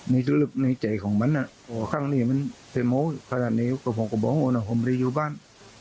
ในทุกฤทธิ์ในใจของมันอ่ะข้างนี้มันเฟ้นโม้ขนาดนี้ก็ผมก็บ่โห้เนาะผมไม่ได้อยู่บ้าน